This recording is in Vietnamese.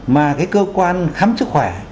mà cái cơ quan khám sức khỏe